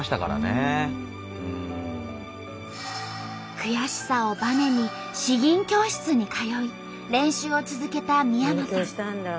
悔しさをばねに詩吟教室に通い練習を続けた三山さん。